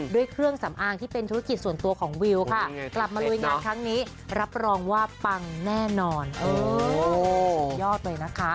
ด้วยเครื่องสำอางที่เป็นธุรกิจส่วนตัวของวิวค่ะกลับมาลุยงานครั้งนี้รับรองว่าปังแน่นอนสุดยอดเลยนะคะ